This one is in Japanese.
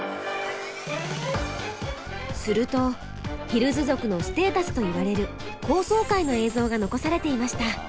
するとヒルズ族のステータスといわれる高層階の映像が残されていました。